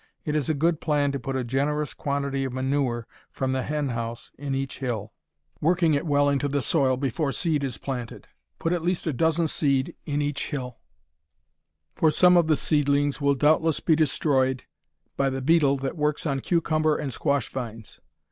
It is a good plan to put a generous quantity of manure from the henhouse in each hill, working it well into the soil before seed is planted. Put at least a dozen seed in each hill, for some of the seedlings will doubtless be destroyed by the beetle that works on cucumber and squash vines.